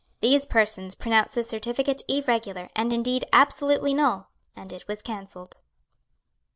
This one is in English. These persons pronounced the certificate irregular, and, indeed, absolutely null; and it was cancelled.